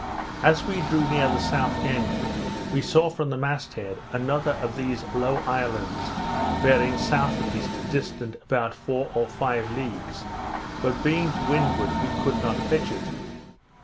As we drew near the south end, we saw from the mast head, another of these low isles bearing S.E., distant about four or five leagues, but being to windward we could not fetch it.